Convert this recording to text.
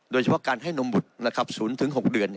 โดยเฉพาะการให้นมบุตร๐๖เดือน